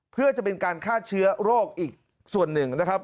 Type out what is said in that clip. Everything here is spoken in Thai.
เพื่อจะเป็นการฆ่าเชื้อโรคอีกส่วนหนึ่งนะครับ